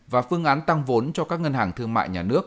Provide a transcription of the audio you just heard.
và phương án tăng vốn cho các ngân hàng thương mại nhà nước